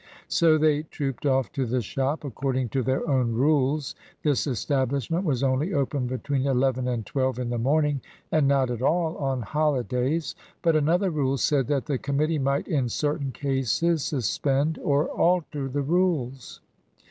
So they trooped off to the shop. According to their own rules, this establishment was only open between 11 and 12 in the morning, and not at all on holidays. But another rule said that the committee might in certain cases suspend or alter the rules.